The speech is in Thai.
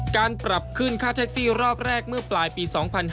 การปรับขึ้นค่าแท็กซี่รอบแรกเมื่อปลายปี๒๕๕๙